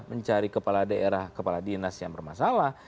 mencari kepala daerah kepala dinas yang bermasalah